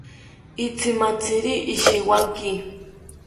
Itzimatziri ishiwanki